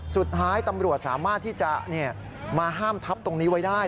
สุดท้ายตำรวจสามารถที่จะมาห้ามทับตรงนี้ไว้ได้